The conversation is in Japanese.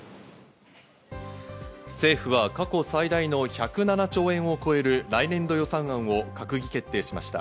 政府は過去最大の１０７兆円を超える来年度予算案を閣議決定しました。